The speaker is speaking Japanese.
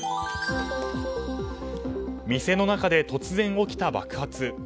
店の中で突然起きた爆発。